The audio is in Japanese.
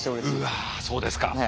うわあそうですか。